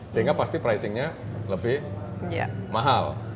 sehingga pasti pricingnya lebih mahal